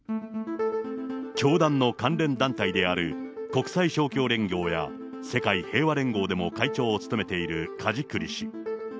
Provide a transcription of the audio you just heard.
教団の関連団体である国際勝共連合や世界平和連合でも会長を務めている梶栗氏。